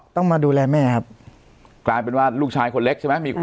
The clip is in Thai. ต้องมาดูแลแม่ครับกลายเป็นว่าลูกชายคนเล็กใช่ไหมมีคน